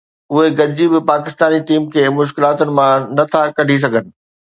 اهي گڏجي به پاڪستاني ٽيم کي مشڪلاتن مان نه ٿا ڪڍي سگهن